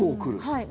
はい。